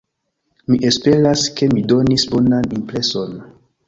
Mi esperas, ke mi donis bonan impreson.